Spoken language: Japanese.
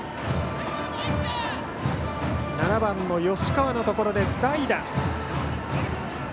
７番の吉川のところで代打。